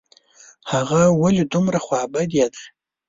هغه ولي دومره خوابدې ده ؟